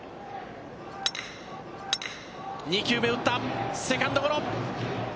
２球目打った、セカンドゴロ。